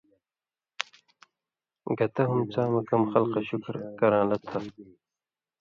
(گتہ ہُم) څاں مہ کم خلکہ شُکُھر کران٘لہ تھہ۔